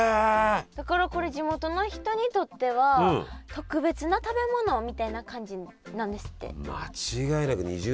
だからこれ地元の人にとっては特別な食べ物みたいな感じなんですって。